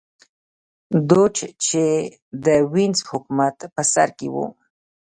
دوج چې د وینز حکومت په سر کې و